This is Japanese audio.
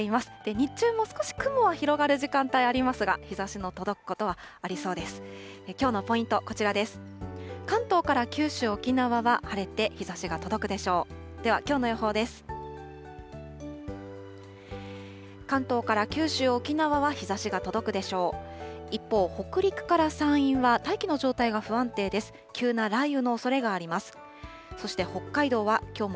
日中も少し雲は広がる時間帯、ありそうですが、日ざしの届くことはありそうです。